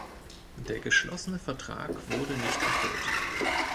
Der geschlossene Vertrag wurde nicht erfüllt.